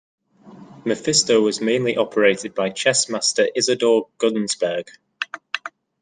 Mephisto was mainly operated by chess master Isidor Gunsberg.